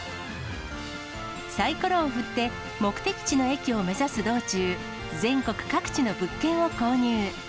さいころを振って、目的地の駅を目指す道中、全国各地の物件を購入。